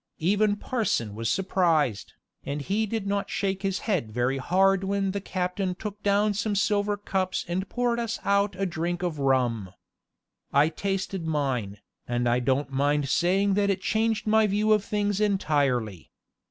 Even parson was surprised, and he did not shake his head very hard when the captain took down some silver cups and poured us out a drink of rum. I tasted mine, and I don't mind saying that it changed my view of things entirely.